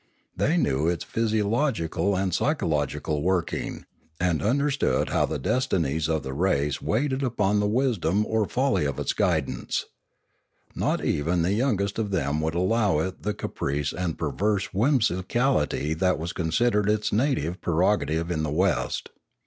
They knew its physio logical and psychological working, and understood how the destinies of the race waited upon the wisdom or folly of its guidance. Not even the youngest of them would allow it the caprice and perverse whimsi Pioneering 453 cality that was considered its native prerogative in the West.